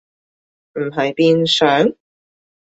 唔係變上？